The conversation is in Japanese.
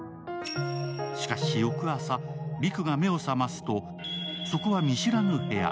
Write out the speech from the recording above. しかし、翌朝、陸が目を覚ますとそこは見知らぬ部屋。